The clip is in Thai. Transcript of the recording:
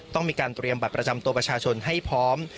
ต้องมีการเตรียมบัตรประจำตัวประชาชนให้พร้อม